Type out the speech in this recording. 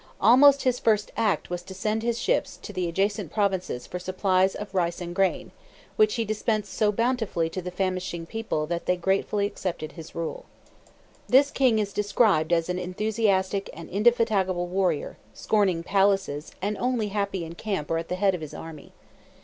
Almost his first act was to send his ships to the adjacent provinces for supplies of rice and grain, which he dispensed so bountifully to the famishing people that they gratefully accepted his rule. This king is described as an enthusiastic and indefatigable warrior, scorning palaces, and only happy in camp or at the head of his army.